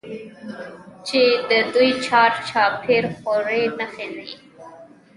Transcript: چې د دوى چار چاپېر خورې نښي ئې